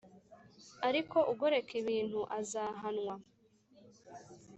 Ariko ugoreka ibintu, azahanwa